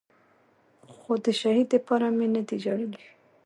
خو د شهيد دپاره مې نه دي جړلي.